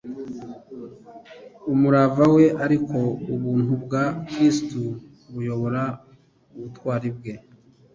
umurava we ariko ubuntu bwa Kristo buyobora ubutwari bwe.